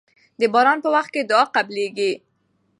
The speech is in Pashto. د باران په وخت کې دعا قبليږي.